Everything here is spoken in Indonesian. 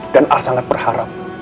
dan al sangat berharap